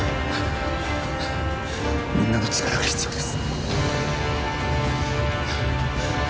みんなの力が必要です